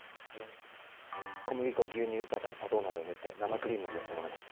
小麦粉牛乳バター砂糖などを練って生クリームをのせたものです。